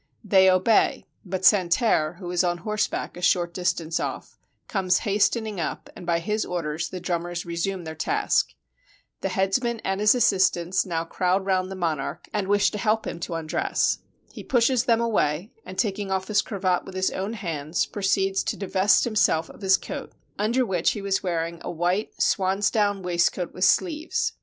They obey; but San terre, who is on horseback a short distance off, comes hastening up, and by his orders the drummers resume their task. The headsman and his assistants now crowd round the monarch, and wish to help him to undress. He pushes them away, and, taking off his cravat with his own hands, proceeds to divest himself of his coat, under which he was wearing a white swan's down waist coat with sleeves.